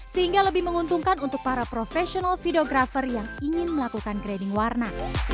sehingga lebih menguntungkan untuk para profesional videographer yang ingin melakukan grading warna